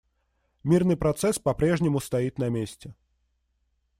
Мирный процесс попрежнему стоит на месте.